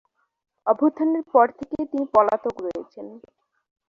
অভ্যুত্থানের পর থেকে তিনি পলাতক রয়েছেন।